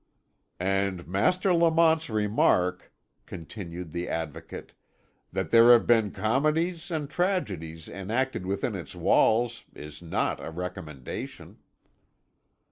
"And Master Lamont's remark," continued the Advocate, "that there have been comedies and tragedies enacted within its walls is not a recommendation."